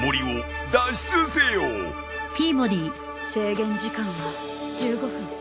制限時間は１５分。